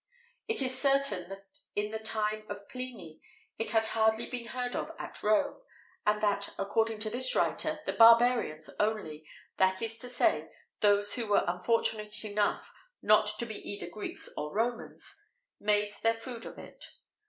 It is certain that in the time of Pliny it had hardly been heard of at Rome,[XVIII 29] and that, according to this writer, the barbarians only that is to say, those who were unfortunate enough not to be either Greeks or Romans made their food of it.